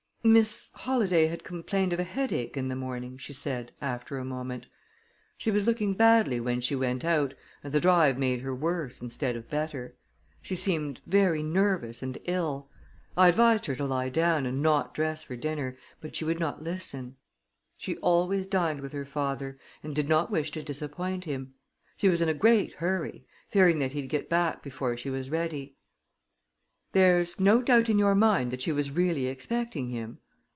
"Miss Holladay had complained of a headache in the morning," she said, after a moment. "She was looking badly when she went out, and the drive made her worse instead of better. She seemed very nervous and ill. I advised her to lie down and not dress for dinner, but she would not listen. She always dined with her father, and did not wish to disappoint him. She was in a great hurry, fearing that he'd get back before she was ready." "There's no doubt in your mind that she was really expecting him?"